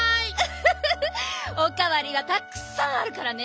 フフフ！おかわりはたくさんあるからね。